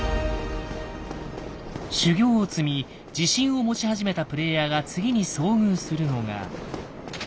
修行を積み自信を持ち始めたプレイヤーが次に遭遇するのが。